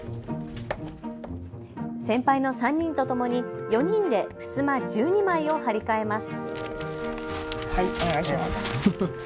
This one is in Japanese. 先輩の３人とともに４人でふすま１２枚を張り替えます。